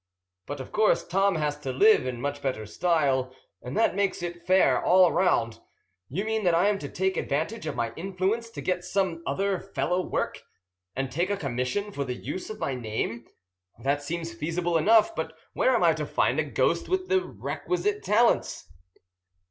But of course Tom has to live in much better style, and that makes it fair all round. You mean that I am to take advantage of my influence to get some other fellow work, and take a commission for the use of my name? That seems feasible enough. But where am I to find a ghost with the requisite talents?"